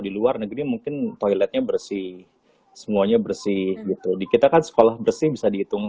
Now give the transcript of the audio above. di luar negeri mungkin toiletnya bersih semuanya bersih gitu di kita kan sekolah bersih bisa dihitung